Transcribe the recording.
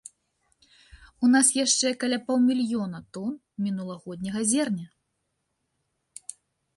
У нас яшчэ каля паўмільёна тон мінулагодняга зерня.